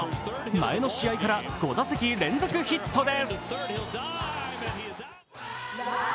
前の試合から５打席連続ヒットです